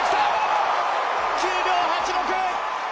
９秒８６！